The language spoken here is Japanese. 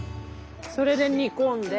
それで煮込んで。